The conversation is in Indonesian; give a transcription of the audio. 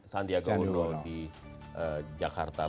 sandiaga uno di jakarta